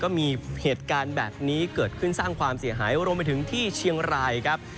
ก็มีเหตุการณ์แบบนี้เกิดขึ้นสร้างความเสียหายรวมไปถึงที่เชียงรายครับ